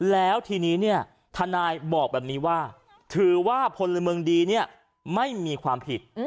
แล้วทีนี้ทนายบอกแบบนี้ว่าถือว่าพลเมิงดีไม่มีความผิด